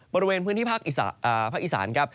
บริเวณพื้นที่ภาคอีสานครับ